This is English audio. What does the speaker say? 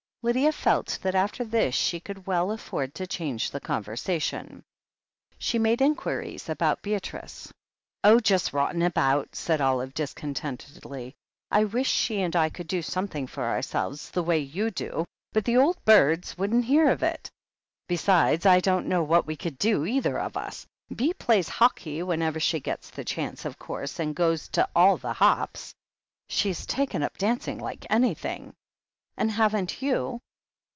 Lydia felt that after this she could well afford to change the conversation. She made inquiries about Beatrice. "Oh, just rotting about," said Olive discontentedly. "I wish she and I could do something for ourselves, the way you do, but the old birds wouldn't hear of it. Besides, I don't know what we could do, either of us. Bee plays hockey whenever she gets the chance, of course, and goes to all the hops. She's taken up danc ing like anything." And haven't you